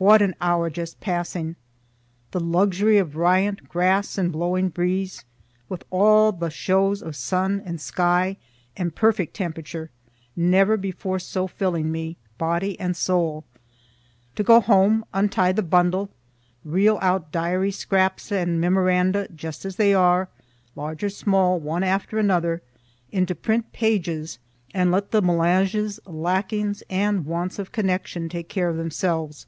What an hour just passing! the luxury of riant grass and blowing breeze, with all the shows of sun and sky and perfect temperature, never before so filling me, body and soul), to go home, untie the bundle, reel out diary scraps and memoranda, just as they are, large or small, one after another, into print pages, and let the melange's lackings and wants of connection take care of themselves.